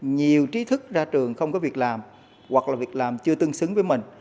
nhiều trí thức ra trường không có việc làm hoặc là việc làm chưa tương xứng với mình